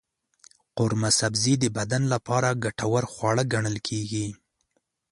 قورمه سبزي د بدن لپاره ګټور خواړه ګڼل کېږي.